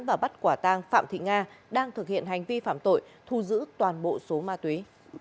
và bắt quả tang phạm thị nga đang thực hiện hành vi phạm tội thu giữ toàn bộ số ma túy